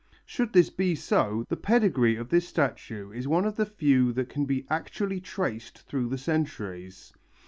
Should this be so, the pedigree of this statue is one of the few that can be actually traced through the centuries.